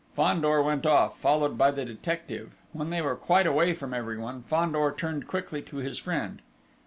Fandor went off, followed by the detective. When they were quite away from everyone, Fandor turned quickly to his friend.